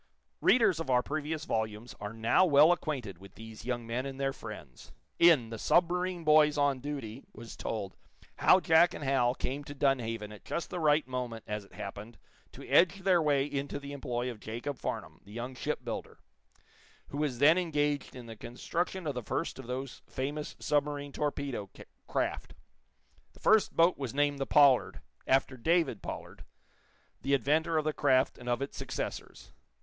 Readers of our previous volumes are now well acquainted with these young men and their friends. In "The Submarine Boys on Duty" was told how Jack and Hal came to Dunhaven at just the right moment, as it happened, to edge their way into the employ of Jacob Farnum, the young shipbuilder, who was then engaged in the construction of the first of those famous submarine torpedo craft. The first boat was named the "Pollard," after David Pollard, the inventor of the craft and of its successors.